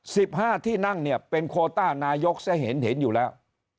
สิบห้าที่นั่งเนี่ยเป็นโคต้านายกซะเห็นเห็นอยู่แล้ว